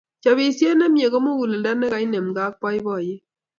Chopisiet nemie ko muguleldo ne kainemgei ak boiboiyet